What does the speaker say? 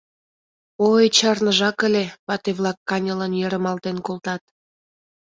— Ой-й, чарныжак ыле! — вате-влак каньылын йырымалтен колтат.